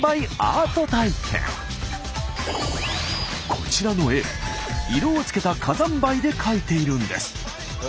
こちらの絵色をつけた火山灰で描いているんです。